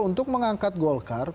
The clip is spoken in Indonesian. untuk mengangkat golkar